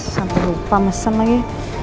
sampai lupa mesen lagi